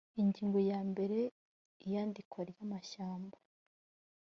ingingo ya mbere iyandikwa ry amashyamba